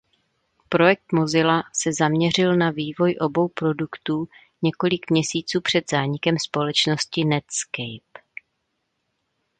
Projekt Mozilla se zaměřil na vývoj obou produktů několik měsíců před zánikem společnosti Netscape.